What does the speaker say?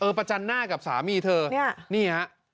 ประจันหน้ากับสามีเธอนี่ฮะ